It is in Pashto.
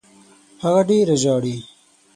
هغه ډېره ژاړي.